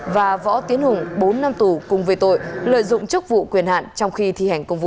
và võ tiến hùng bốn năm tù cùng về tội lợi dụng chức vụ quyền hạn trong khi thi hành công vụ